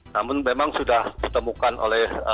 namun memang sudah ditemukan oleh